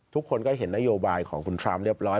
ทุกคนก็เห็นนโยบายของคุณทรัมป์เรียบร้อย